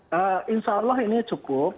nah insya allah ini cukup